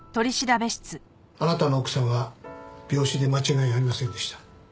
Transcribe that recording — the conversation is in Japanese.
あなたの奥さんは病死で間違いありませんでした。